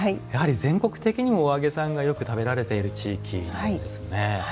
やはり全国的にもお揚げさんがよく食べられている地域なんですね。